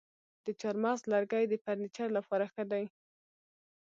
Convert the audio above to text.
د چهارمغز لرګی د فرنیچر لپاره ښه دی.